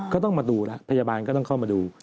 ก็ต้องมาดูแล้วพยาบาลก็ต้องเข้ามาดู